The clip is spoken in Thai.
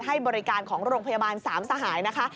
ให้บริการของโรงพยาบาลสามสหายนะคะ